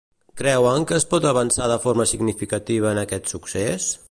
Creuen que es pot avançar de forma significativa en aquest succés?